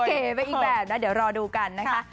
เก๋ไปอีกแบบนะเดี๋ยวรอดูกันนะคะ